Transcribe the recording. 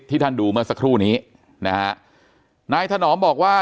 ท่านดูเมื่อสักครู่นี้นะฮะนายถนอมบอกว่า